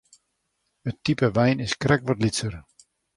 It type wein is krekt wat lytser.